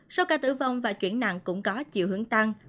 số ca tử vong và chuyển nặng cũng có chiều hướng tăng